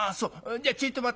じゃちょいと待って。